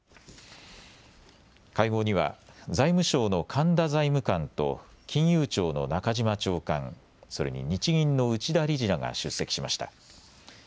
会合には財務省の神田財務官と金融庁の中島長官、それに日銀の内田理事らが出席しました。